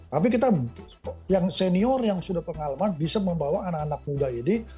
tapi kita yang senior yang sudah pengalaman bisa membawa anak anak muda ini